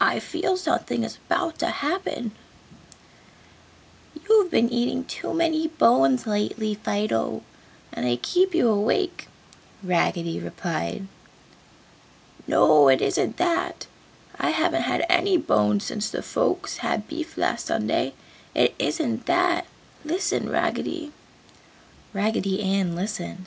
"I feel that something is about to happen!" "You have been eating too many bones lately, Fido, and they keep you awake," Raggedy replied. "No, it isn't that. I haven't had any bones since the folks had beef last Sunday. It isn't that. Listen, Raggedy!" Raggedy Ann listened.